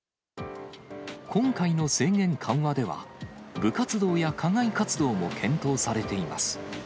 今回の制限緩和では、部活動や課外活動も検討されています。